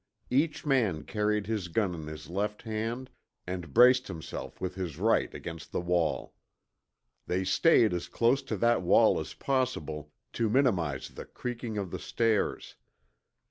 Each man carried his gun in his left hand and braced himself with his right against the wall. They stayed as close to that wall as possible to minimize the creaking of the stairs.